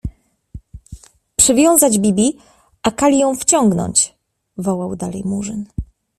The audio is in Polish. — Przywiązać Bibi, a Kali ją wciągnąć! — wołał dalej Murzyn.